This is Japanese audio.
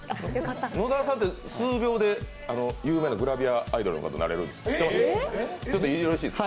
野澤さんって数秒で有名なグラビアアイドルになれるんです。